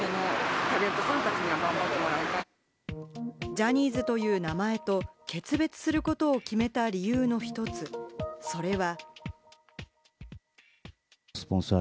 ジャニーズという名前と決別することを決めた理由の一つ、それは。